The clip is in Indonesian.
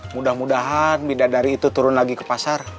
mudah mudahan bidadari itu turun lagi ke pasar